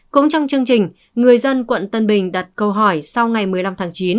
cũng trong chương trình người dân quận tân bình đặt câu hỏi sau ngày một mươi năm tháng chín